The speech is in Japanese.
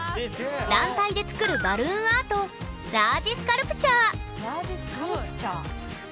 団体で作るバルーンアートラージスカルプチャー。